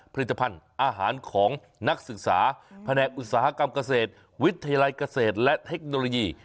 ผลิตภัณฑ์อาหารของนักศึกษาแผนกอุตสาหกรรมเกษตรวิทยาลัยเกษตรและเทคโนโลยี